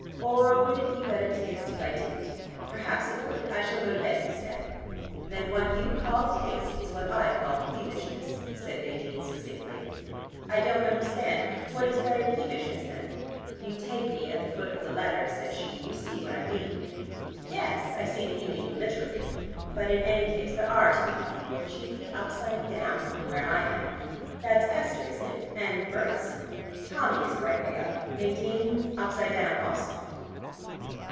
Or would it be better taste if I didn't? Perhaps it would. I shall go to bed instead." "Then what you call taste is what I call peevishness," said Nadine succinctly. "I don't understand. What is better peevishness, then?" "You take me at the foot of the letter," said she. "You see what I mean." "Yes. I see that you mean 'literally.' But in any case there are too many people, chiefly upside down from where I am. That's Esther, isn't it, and Berts? Tommy is the right way up. Nadine upside down also."